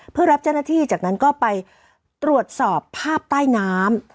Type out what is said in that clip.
เพื่อรับเจ้าหน้าที่จากนั้นก็ไปตรวจสอบภาพใต้น้ำ